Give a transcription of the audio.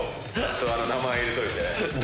名前入れといて。